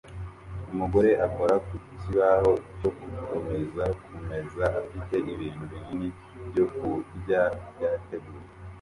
Umugore akora ku kibaho cyo kumeza kumeza afite ibintu binini byokurya byateguwe